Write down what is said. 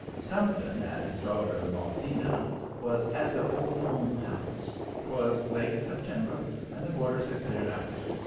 Stumpton and his daughter, Maudina, was at the Old Home House. 'Twas late in September, and the boarders had cleared out.